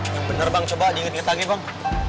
yang bener bang coba diinget inget lagi bang